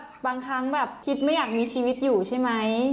บางครั้งแบบคิดไม่อยากมีชีวิตอยู่ใช่ไหม